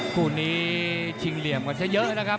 คู่นี้ชิงเหลี่ยมกันซะเยอะนะครับ